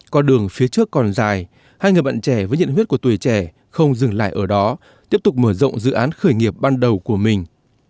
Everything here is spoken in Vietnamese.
con đường phía trước còn dài hai người bạn trẻ với nhiệt huyết của tuổi trẻ không dừng lại ở đó tiếp tục mở rộng dự án khởi nghiệp ban đầu của mình